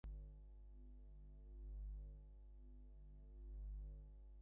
এমন সময়ে শাকসবজির চুবড়ি হাতে করিয়া রাজবাটীর দাসী মাতঙ্গিনী আসিয়া উপস্থিত হইল।